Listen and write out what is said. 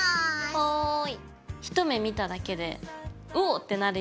はい。